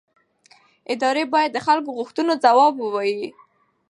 ادارې باید د خلکو غوښتنو ځواب ووایي